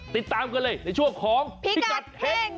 ติดตามกันเลยในช่วงของพิกัดเห็ง